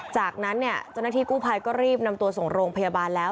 จากนั้นเนี่ยเจ้าหน้าที่กู้ภัยก็รีบนำตัวส่งโรงพยาบาลแล้ว